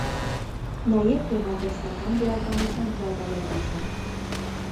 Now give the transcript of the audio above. Նաև գեղարվեստական գրականության հրատարակիչ էր։